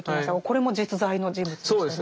これも実在の人物でしたね。